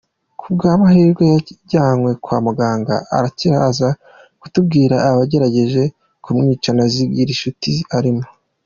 Ku bw’amahirwe yajyanywe kwa muganga arakira aza kutubwira abagerageje kumwica na Zigirinshuti arimo.